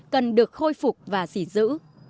cần được khôi phục và gìn giữ